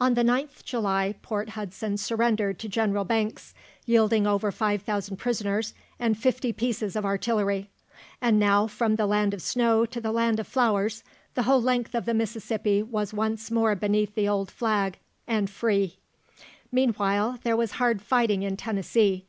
On the 9th July, Port Hudson surrendered to General Banks, yielding over 5000 prisoners and fifty pieces of artillery. And now, from the land of snow to the land of flowers, the whole length of the Mississippi was once more beneath the old flag, and free. Meanwhile, there was hard fighting in Tennessee.